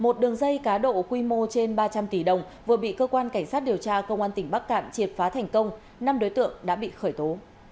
một đường dây cá độ quy mô trên ba trăm linh tỷ đồng vừa bị cơ quan cảnh sát điều tra công an tỉnh bắc cạn triệt phá thành công năm đối tượng đã bị khởi tố